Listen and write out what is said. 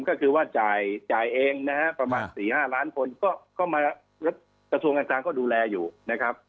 ก็คือว่าจ่ายเองนะฮะประมาณ๔๕ล้านคนก็มาแล้วกระทรวงการคลังก็ดูแลอยู่นะครับ